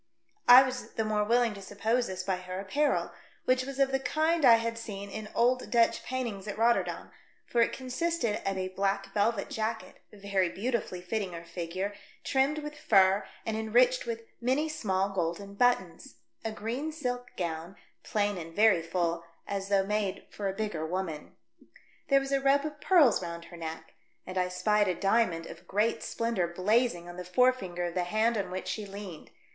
I was the more willing to suppose this by her apparel, which was of the kind I had seen in old Dutch paintings at Rotterdam, for it consisted of a black velvet jacket, very beautifully fitting her figure, trimmed with fur and enriched with many small golden buttons ; a green silk gown, plain and very full, as though made for a bigger woman. There was a I AM SHOWN A PRESENT FOR MARGARETHA. I I 7 rope of pearls round her neck, and I spied a diamond of great splendour blazing on the forefinger of the hand on which she leaned.